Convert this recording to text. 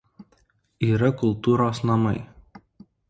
Yra kultūros namai.